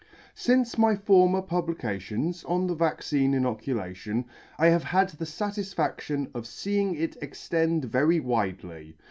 Since my former publications on the Vaccine Inoculation, I have had the fatisfadion of feeing it extend very widely.